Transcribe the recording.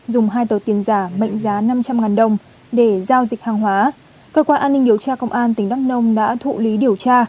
dùng hai tờ tiền giả mệnh giá năm trăm linh đồng để giao dịch hàng hóa cơ quan an ninh điều tra công an tỉnh đắk nông đã thụ lý điều tra